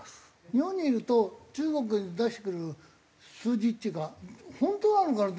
日本にいると中国の出してくる数字っていうか本当なのかなって。